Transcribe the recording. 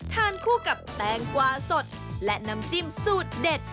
ทานคู่กับแตงกวาสดและน้ำจิ้มสูตรเด็ด